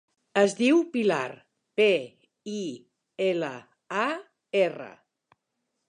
Es diu Pilar: pe, i, ela, a, erra.